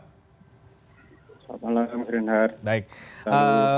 selamat malam pak menteri nadiem